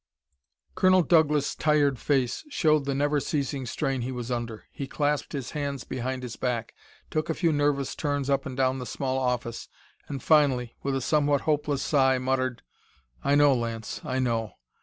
Colonel Douglas' tired face showed the never ceasing strain he was under. He clasped hands behind his back, took a few nervous turns up and down the small office and finally, with a somewhat hopeless sigh, muttered: "I know, Lance, I know.